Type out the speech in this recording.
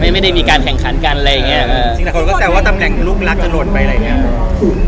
ไม่ได้มีการแข่งขันกันอะไรอย่างเงี้ยซึ่งหลายคนก็แซวว่าตำแหน่งลูกรักจะหล่นไปอะไรอย่างเงี้ย